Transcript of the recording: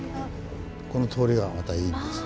この通りがまたいいんです。